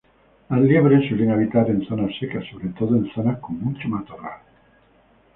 Las liebres suelen habitar en zonas secas, sobre todo en zonas con mucho matorral.